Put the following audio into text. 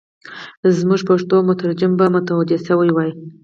زموږ پښتو مترجم به متوجه شوی وای.